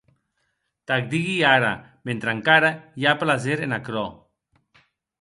T'ac digui ara, mentre encara i a plaser en aquerò.